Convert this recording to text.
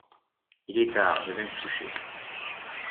Il est tard, je vais me coucher.